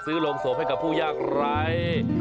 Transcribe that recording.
ซื้อลงศพให้กับผู้ยากไร